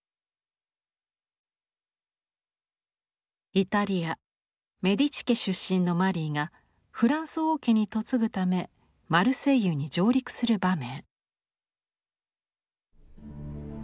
イタリア・メディチ家出身のマリーがフランス王家に嫁ぐためマルセイユに上陸する場面。